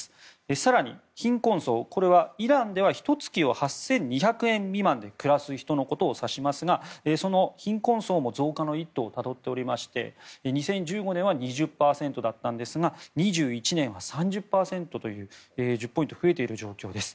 更に貧困層、イランではひと月を８２００円未満で暮らす人のことを指しますがその貧困層も増加の一途をたどっておりまして２０１５年は２０％だったんですが２０２１年は３０％と１０ポイント増えている状況です。